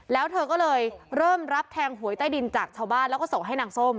แล้วเธอก็เลยเริ่มรับแทงหวยใต้ดินจากชาวบ้านแล้วก็ส่งให้นางส้ม